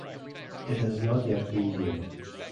It has not yet been named.